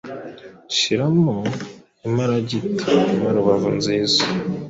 Shyiramo imaragarita na rubavu nziza,